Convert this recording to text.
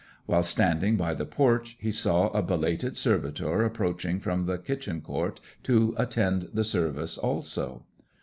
While standing by the porch he saw a belated servitor approaching from the kitchen court to attend the service also.